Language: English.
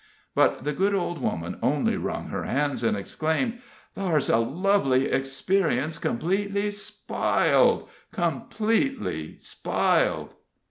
But the good old woman only wrung her hands, and exclaimed: "Thar's a lovely experience completely spiled completely spiled!"